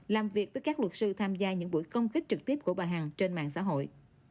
làm việc với các luật sư tham gia những buổi công kích trực tiếp của bà hằng trên mạng xã hội